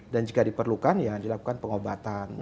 dan jika diperlukan ya dilakukan pengobatan